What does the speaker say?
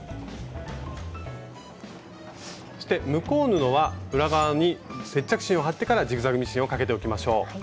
向こう布は裏側に接着芯を貼ってからジグザグミシンをかけておきましょう。